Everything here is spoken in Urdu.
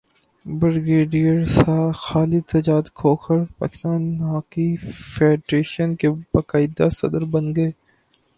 brigadier Khalid Sajjad Khokhar Pakistan hockey federation کے باقاعدہ صدر بن گئے